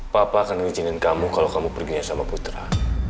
papa akan mengizinkan kamu kalau kamu perginya sama putra